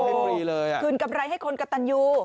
โอ้โหคืนกำไรให้คนกัตญู